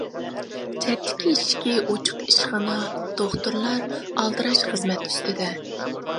چەتتىكى ئىشىكى ئوچۇق ئىشخانا، دوختۇرلار ئالدىراش خىزمەت ئۈستىدە.